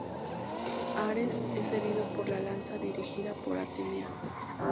Ares es herido por la lanza dirigida por Atenea.